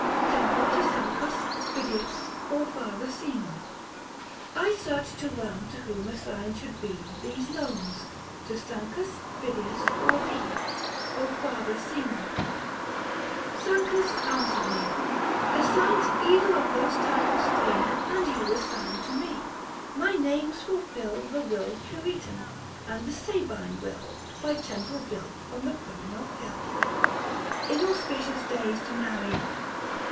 TEMPLE TO SANCUS, FIDIUS, OR FATHEE SEMO. I searched to learn to whom assigned should be These nones — to Sancus, Fidius or thee, Father Semo ? Sancus answered me : 255 " Assign to either of those titles three, And you assign to me ; my names fulfil The will Curetan, and the Sabine will, By temple built on the Quirinal hill. INAUSPICIOUS DAY TO MARRY.